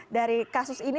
dari kasus ini